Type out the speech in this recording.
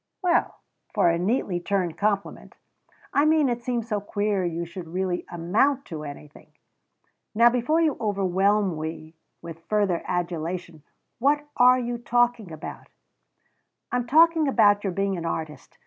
"Well for a neatly turned compliment " "I mean it seems so queer you should really amount to anything." "Now before you overwhelm me with further adulation, what are you talking about?" "I'm talking about your being an artist.